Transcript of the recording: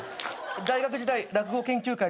大学時代落語研究会でさ。